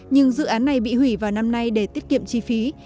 nhưng dự án này bị hủy vào năm nay để tiết kiệm chi phí